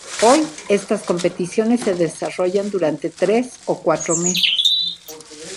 Hoy, estas competiciones se desarrollan durante tres o cuatro meses.